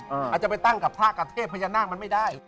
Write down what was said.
อาจจะไปตั้งกับพระกับเทพพญานาคมันไม่ได้